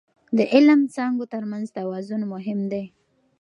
د علم څانګو ترمنځ توازن مهم دی.